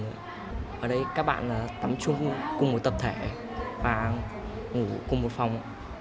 ở đây các bạn tắm chung cùng một tập thể và ngủ cùng một phòng